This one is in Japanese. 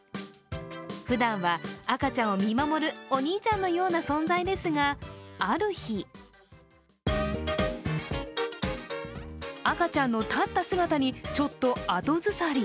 ふだんは赤ちゃんを見守るお兄ちゃんのような存在ですがある日赤ちゃんのたった姿にちょっと後ずさり。